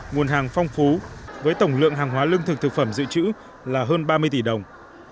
nguồn hàng phong phú với tổng lượng hàng hóa lương thực thực phẩm dự trữ là hơn ba mươi tỷ đồng